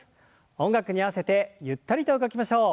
音楽に合わせてゆったりと動きましょう。